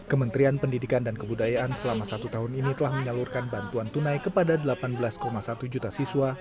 kementerian pendidikan dan kebudayaan selama satu tahun ini telah menyalurkan bantuan tunai kepada delapan belas satu juta siswa